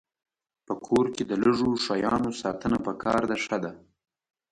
په کور کې د لږو شیانو ساتنه پکار ده ښه ده.